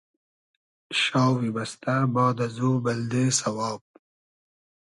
شاوی بئستۂ باد ازو بلدې سئواب